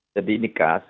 jadi ini khas